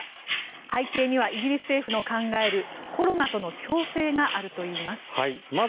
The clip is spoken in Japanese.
背景にはイギリス政府の考えるコロナとの共生があるといいます。